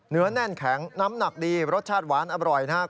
เนื้อแน่นแข็งน้ำหนักดีรสชาติหวานอร่อยนะครับ